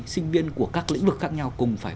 sinh viên của các lĩnh vực khác nhau cùng phải